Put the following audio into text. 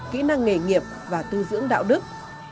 kỹ năng nghề nghiệp và tư dưỡng đạo đức